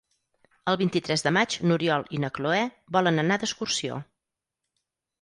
El vint-i-tres de maig n'Oriol i na Cloè volen anar d'excursió.